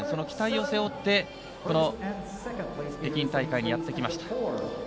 期待を背負って北京大会にやって来ました。